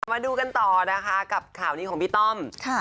มาดูต่อกับข่าวนี้ของพี่ต้อม